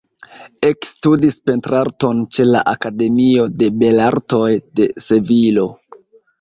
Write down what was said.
Ekstudis pentrarton ĉe la Akademio de Belartoj de Sevilo.